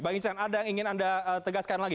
pak insan ada yang ingin anda tegaskan lagi